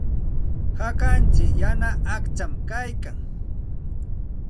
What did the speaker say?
Hakantsik yana aqcham kaykan.